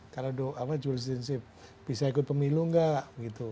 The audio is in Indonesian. kalau jurisdinsip bisa ikut pemilu nggak